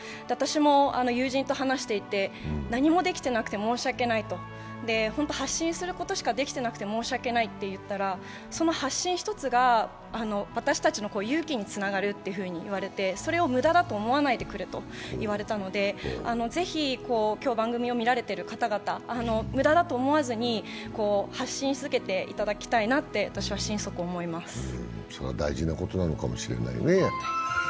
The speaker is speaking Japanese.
私も友人と話していて何もできていなくて申し訳ないと、本当に発信することしかできてなくて申し訳ないと言ったらその発信一つが私たちの勇気につながると言われてそれを無駄だと思わないでくれと言われたのでぜひ今日、番組を見られている方々無駄だと思わずに発信し続けていただきたいと私は心底思います。